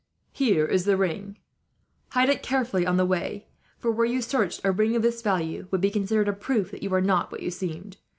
"Here is the ring. Hide it carefully on the way for, were you searched, a ring of this value would be considered a proof that you were not what you seemed.